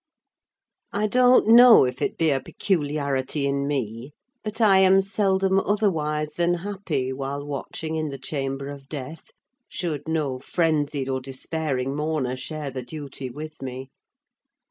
I don't know if it be a peculiarity in me, but I am seldom otherwise than happy while watching in the chamber of death, should no frenzied or despairing mourner share the duty with me.